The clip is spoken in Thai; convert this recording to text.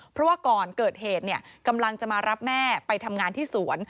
เพราะว่าก่อนเกิดเหตุกำลังจะมารับแม่ไปทำงานที่สวน